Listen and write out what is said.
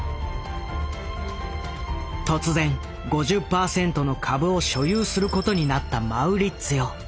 突然５０％の株を所有することになったマウリッツィオ。